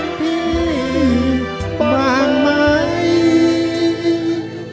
คิดถึงพี่บ้างไหม